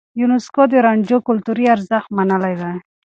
يونيسکو د رانجو کلتوري ارزښت منلی دی.